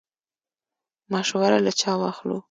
مشوره له چا واخلو؟